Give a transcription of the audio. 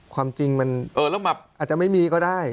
ความจริงมันอาจจะไม่มีก็ได้